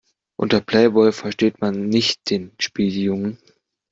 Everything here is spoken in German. Unter Playboy versteht man nicht den Spieljungen.